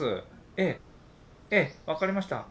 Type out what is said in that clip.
ええええ分かりました。